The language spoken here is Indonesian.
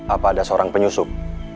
apa ada seorang penyusup